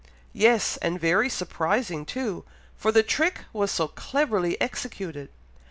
"Yes, and very surprising too, for the trick was so cleverly executed!